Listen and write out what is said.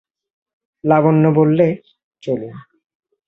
লাবণ্য বললে, চলুন।